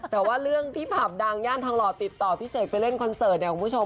แต่ว่าเรื่องที่ผับดังย่านทองหล่อติดต่อพี่เสกไปเล่นคอนเสิร์ตเนี่ยคุณผู้ชม